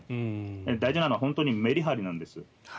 大事なのは本当にメリハリなんです。